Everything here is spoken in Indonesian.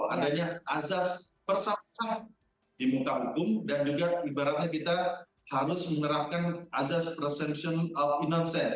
adanya azad persatuan di muka hukum dan juga ibaratnya kita harus menerapkan azad's resumption of innocence